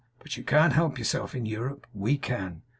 But you can't help yourself in Europe. We can.